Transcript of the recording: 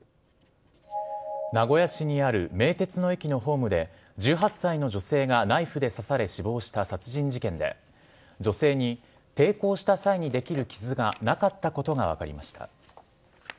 名古屋市にある名鉄の駅のホームで、１８歳の女性がナイフで刺され、死亡した殺人事件で、女性に抵抗した際に出来る傷がなかったことが分かりました。